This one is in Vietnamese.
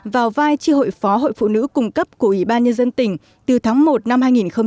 vào vai chi hội phó hội phụ nữ cung cấp của ủy ban nhân dân tỉnh từ tháng một năm hai nghìn một mươi chín